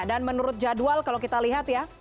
dan menurut jadwal kalau kita lihat ya